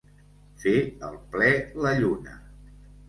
Fer el ple la lluna.